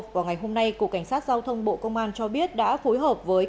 vào ngày hôm nay cục cảnh sát giao thông bộ công an cho biết đã phối hợp với